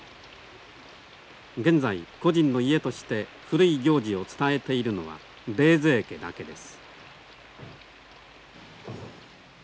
現在個人の家として古い行事を伝えているのは冷泉家だけです。